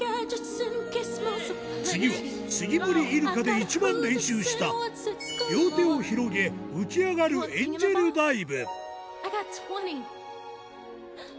次は杉森イルカで一番練習した両手を広げ浮き上がるスゴい！